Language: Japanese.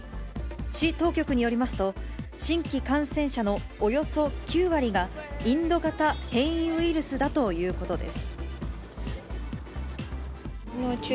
市当局によりますと、新規感染者のおよそ９割がインド型変異ウイルスだということです。